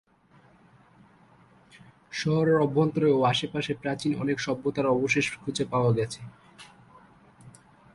শহরের অভ্যন্তরে ও আশেপাশে প্রাচীন অনেক সভ্যতার অবশেষ খুঁজে পাওয়া গেছে।